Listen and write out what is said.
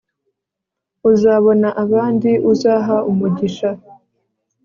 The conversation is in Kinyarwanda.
uzabona abandi uzaha umugisha